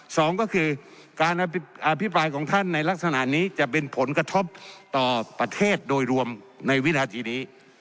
สองก็คือการอภิปรายของท่านในลักษณะนี้จะเป็นผลกระทบต่อประเทศโดยรวมในวินาทีนี้